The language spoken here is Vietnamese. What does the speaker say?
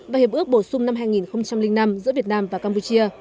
và hiệp ước bổ sung năm hai nghìn năm giữa việt nam và campuchia